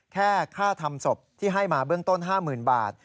แค่ค่าทำศพที่ให้มาเบื้องต้น๕๐๐๐บาท